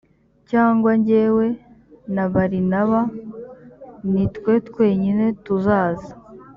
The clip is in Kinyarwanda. cyangwa jyewe na barinaba ni twe twenyine tuzaza.